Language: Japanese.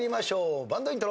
バンドイントロ。